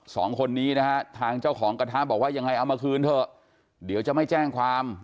สองคนนี้นะฮะทางเจ้าของกระทะบอกว่ายังไงเอามาคืนเถอะเดี๋ยวจะไม่แจ้งความ